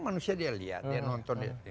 manusia dia lihat dia nonton